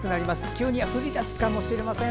急に降り出すかもしれません。